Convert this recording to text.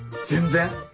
全然！